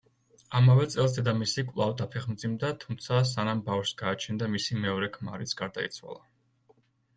ამავე წელს დედამისი კვლავ დაფეხმძიმდა, თუმცა სანამ ბავშვს გააჩენდა მისი მეორე ქმარიც გარდაიცვალა.